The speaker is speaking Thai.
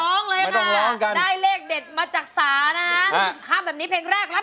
เรียกเกี่ยวกับเพลงที่อยู่สู่ไฟประชาชนูกเกมนียังไงนะเนี่ยอ่ะ